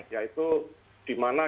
yaitu di mana